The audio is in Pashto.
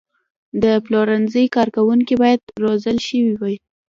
د پلورنځي کارکوونکي باید روزل شوي وي.